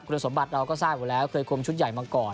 คุณสมบัติเราก็ทราบอยู่แล้วเคยคุมชุดใหญ่มาก่อน